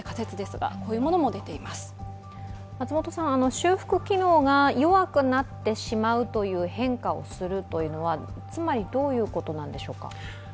修復機能が弱くなってしまうという変化をするというのはつまりどういうことなんでしょうか？